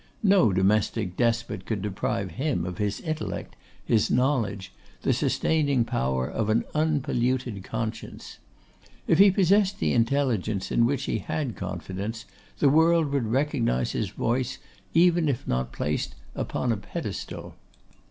No domestic despot could deprive him of his intellect, his knowledge, the sustaining power of an unpolluted conscience. If he possessed the intelligence in which he had confidence, the world would recognise his voice even if not placed upon a pedestal.